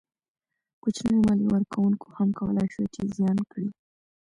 کوچنیو مالیه ورکوونکو هم کولای شوای چې زیان کړي.